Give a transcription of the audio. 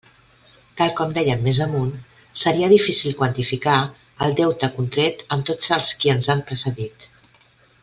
Tal com dèiem més amunt, seria difícil quantificar el deute contret amb tots els qui ens han precedit.